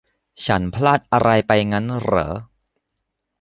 ฉันพลาดอะไรไปงั้นเหรอ ?